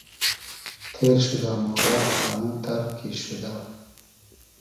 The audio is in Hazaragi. تېر شودۂ مۉرۂ اموتئر کی شودۂ